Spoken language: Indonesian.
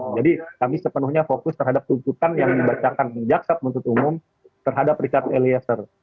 jadi kami sepenuhnya fokus terhadap tuntutan yang dibacakan jaksa penuntut umum terhadap richard eliezer